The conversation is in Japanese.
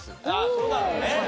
そうだろうね。